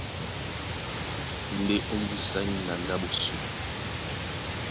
Ndé ómbùsá ní ŋgando a ɓosó,